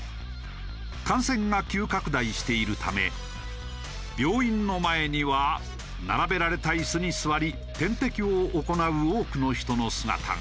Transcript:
感染が急拡大しているため病院の前には並べられた椅子に座り点滴を行う多くの人の姿が。